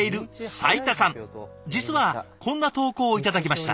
実はこんな投稿を頂きました。